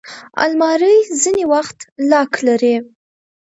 الماري ځینې وخت لاک لري